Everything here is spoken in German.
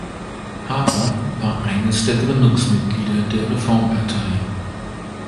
Harper war eines der Gründungsmitglieder der Reformpartei.